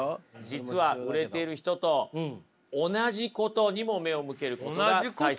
実は売れている人と同じことにも目を向けることが大切なんです。